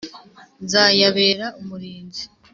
Nzayabera umurinzi